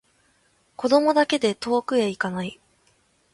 子供だけで遠くへいかない